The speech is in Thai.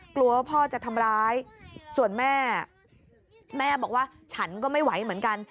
กลัวว่าพ่อจะทำร้ายส่วนแม่แม่บอกว่าฉันก็ไม่ไหวเหมือนกัน